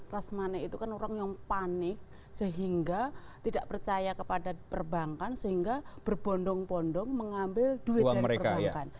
rasmani itu kan orang yang panik sehingga tidak percaya kepada perbankan sehingga berbondong bondong mengambil duit dari perbankan